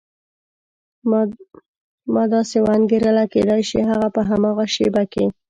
ما داسې وانګېرله کېدای شي هغه په هماغه شېبه کې.